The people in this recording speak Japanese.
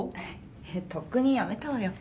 えっとっくに辞めたわよ。